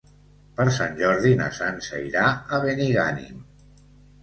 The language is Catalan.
Per Sant Jordi na Sança irà a Benigànim.